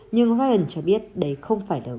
nhưng ryan cho biết đấy không phải đỡ bệnh